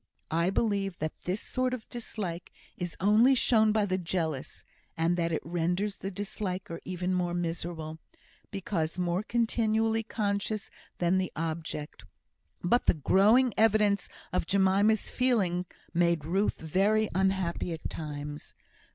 I believe that this sort of dislike is only shown by the jealous, and that it renders the disliker even more miserable, because more continually conscious than the object; but the growing evidence of Jemima's feeling made Ruth very unhappy at times.